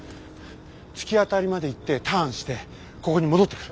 突き当たりまで行ってターンしてここに戻ってくる。